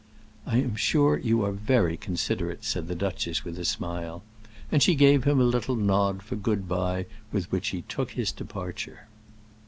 "I am sure you are very considerate," said the duchess with a smile; and she gave him a little nod for good bye with which he took his departure.